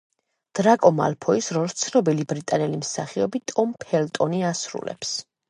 დრაკო მალფოის როლს ცნობილი ბრიტანელი მსახიობი ტომ ფელტონი ასრულებს.